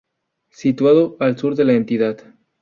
Situado al sur de la entidad.